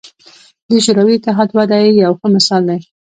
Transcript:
د شوروي اتحاد وده یې یو ښه مثال دی.